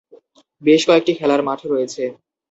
বেশ কয়েকটি খেলার মাঠ রয়েছে।